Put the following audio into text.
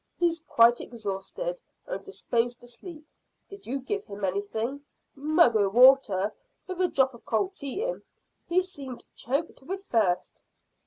"He is quite exhausted, and disposed to sleep. Did you give him anything?" "Mug o' water with a drop of cold tea in. He seemed choked with thirst."